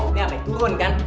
ini apa ya turun kan